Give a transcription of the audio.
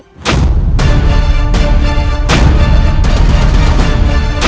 kau tidak pernah mengenal saya